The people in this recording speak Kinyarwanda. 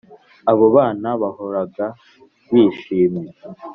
Abo bana bahoraga bishimye